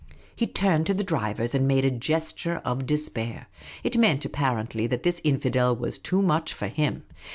He turned to the drivers and made a gesture of despair. It meant, apparently, that this infidel was too much for him.